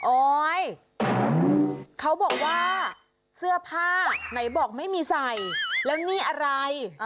โอ๊ยเขาบอกว่าเสื้อผ้าไหนบอกไม่มีใส่แล้วนี่อะไร